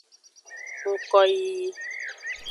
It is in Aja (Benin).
Ngkoyiyi.